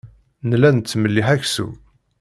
Nella nettmelliḥ aksum.